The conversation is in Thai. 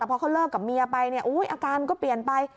พอเขาเลิกกับเมียไปเนี่ยอาการก็เปลี่ยนไป